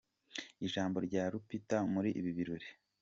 Ijambo rya Rupita muri ibi birori :.